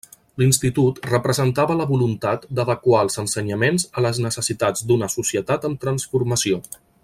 L'Institut representava la voluntat d'adequar els ensenyaments a les necessitats d'una societat en transformació.